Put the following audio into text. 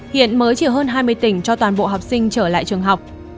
hiện mới chỉ hơn hai mươi tỉnh cho toàn bộ học sinh trở lại trường học